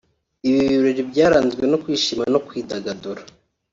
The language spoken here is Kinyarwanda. Ibi birori byaranzwe no kwishima no kwidagadura